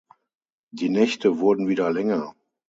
Die Nächte wurden wieder länger.